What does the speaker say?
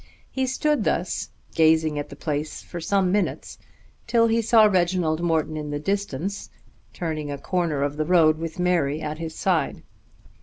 He stood thus gazing at the place for some minutes till he saw Reginald Morton in the distance turning a corner of the road with Mary at his side.